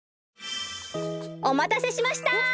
おまたせしました！